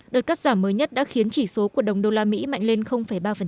đợt cắt giảm mới nhất đã khiến chỉ số của đồng đô la mỹ mạnh lên ba